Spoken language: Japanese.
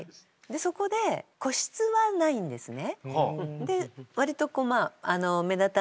そこで個室はないんですね。